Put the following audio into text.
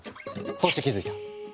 そして気付いた。